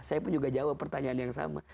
saya pun juga jawab pertanyaan yang sama